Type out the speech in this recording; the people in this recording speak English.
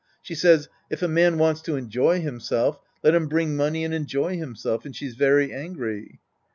She says, " If a man wants to enjoy himself, let him bring money and enjoy himself," and she's veiy angry.